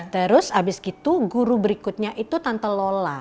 terus habis gitu guru berikutnya itu tanpa lola